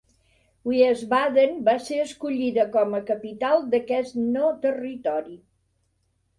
Wiesbaden va ser escollida com a capital d'aquest no territori.